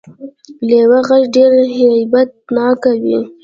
د لیوه غږ ډیر هیبت ناک وي